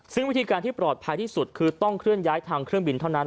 ซึ่งวิธีการที่ปลอดภัยที่สุดคือต้องเคลื่อนย้ายทางเครื่องบินเท่านั้น